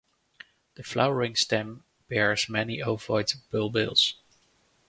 The flowering stem bears many ovoid bulbils.